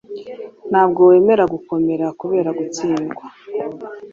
ntabwo wemera gukomera kubera gutsindwa